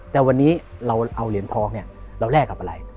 แต่วันนี้เราเอาเหรียญทองเนี่ยเราแลกกับอะไร